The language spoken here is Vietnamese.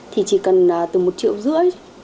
thì chỉ cần từ một triệu rưỡi